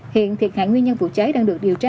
hiện thiệt hại nguyên nhân vụ cháy đang được điều tra